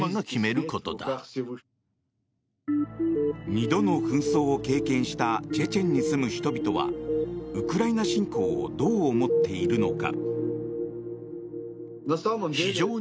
２度の紛争を経験したチェチェンに住む人々はウクライナ侵攻をどう思っているのか。